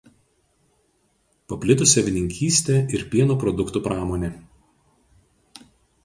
Paplitusi avininkystė ir pieno produktų pramonė.